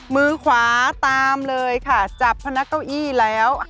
มือขวาตามเลยค่ะจับพนักเก้าอี้แล้ว